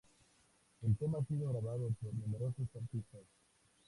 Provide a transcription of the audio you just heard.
El tema ha sido grabado por numerosos artistas.